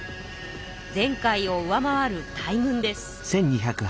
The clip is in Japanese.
前回を上回る大軍です。